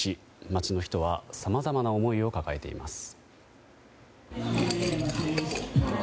街の人は、さまざまな思いを抱えています。